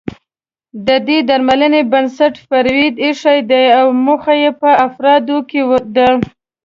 د دې درملنې بنسټ فرویډ اېښی دی او موخه يې په افرادو کې د